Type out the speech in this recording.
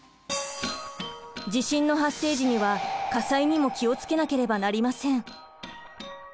地震の発生時には火災にも気を付けなければなりません。